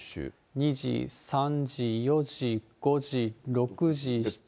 ２じ、３時、４時、５時、６時、７時。